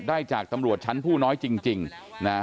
ได้จากตำรวจชั้นผู้น้อยจริงนะฮะ